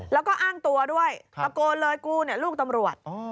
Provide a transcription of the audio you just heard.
แล้วก็อ้างตัวด้วยตะโกนเลยกูเนี่ยลูกตำรวจ